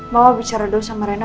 bapak bicara dulu sama rena